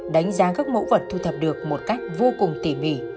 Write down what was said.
đánh giá các mẫu vật thu thập được một cách vô cùng tỉ mỉ